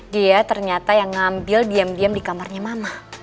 dia ternyata yang ngambil diam diam di kamarnya mama